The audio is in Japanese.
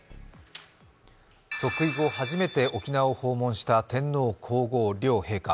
即位後初めて沖縄を訪問した天皇皇后両陛下。